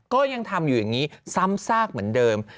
ก็ยังทำอยู่อย่างนี้ซ้ำซากเหมือนเดิม